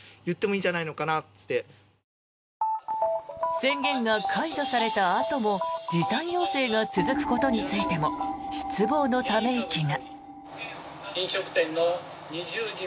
宣言が解除されたあとも時短要請が続くことについても失望のため息が。